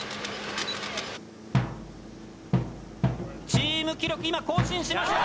チーム記録今更新しました。